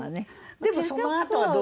でもそのあとはどう？